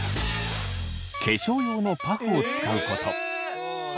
化粧用のパフを使うこと。